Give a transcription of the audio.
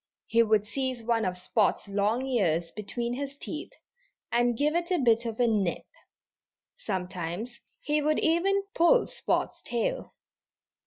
He would seize one of Spot's long ears between his teeth and give it a bit of a nip. Sometimes he would even pull Spot's tail.